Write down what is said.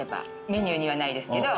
メニューにはないですけど。